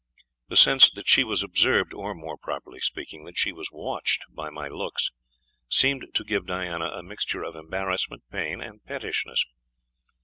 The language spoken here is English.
The sense that she was observed, or, more properly speaking, that she was watched by my looks, seemed to give Diana a mixture of embarrassment, pain, and pettishness.